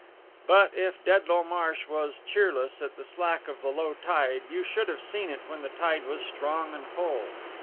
But if Dedlow Marsh was cheerless at the slack of the low tide, you should have seen it when the tide was strong and full.